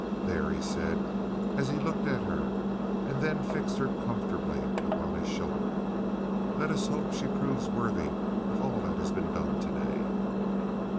"There!" he said, as he looked at her and then fixed her comfortably upon his shoulder. "Let us hope she proves worthy of all that has been done to day."